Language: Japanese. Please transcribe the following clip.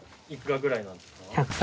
幾らぐらいなんですか？